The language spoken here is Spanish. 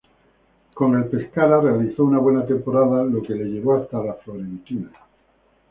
Con el Pescara realizó una buena temporada lo que le llevó hasta la Fiorentina.